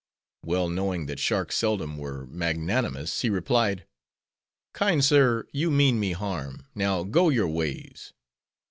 Well knowing that sharks seldom were magnanimous, he replied: Kind sir, you mean me harm; now go your ways.